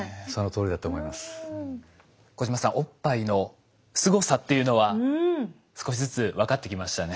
おっぱいのすごさっていうのは少しずつ分かってきましたね。